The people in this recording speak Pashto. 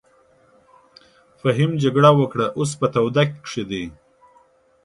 فهيم جګړه وکړه اوس په تاوده کښی دې.